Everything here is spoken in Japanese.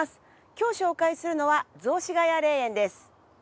今日紹介するのは雑司ケ谷霊園です。